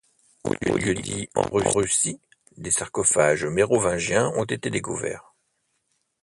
Au lieu-dit En Russy des sarcophages mérovingiens ont été découverts.